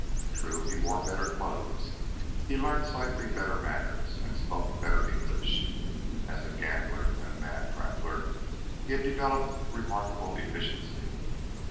True, he wore better clothes, had learned slightly better manners, and spoke better English. As a gambler and a man trampler he had developed remarkable efficiency.